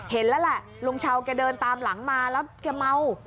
เห็นแล้วแหละลุงชาวแกเดินตามหลังมาแล้วแกเมา